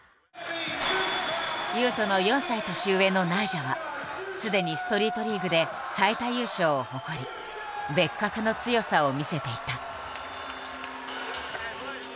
雄斗の４歳年上のナイジャはすでにストリートリーグで最多優勝を誇り別格の強さを見せていた。